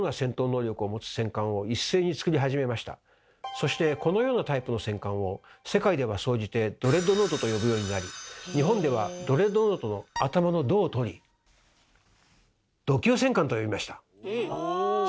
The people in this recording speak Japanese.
そしてこのようなタイプの戦艦を世界では総じて「ドレッドノート」と呼ぶようになり日本ではドレッドノートの頭の「ド」をとり「弩級戦艦」と呼びました。